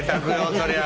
そりゃ。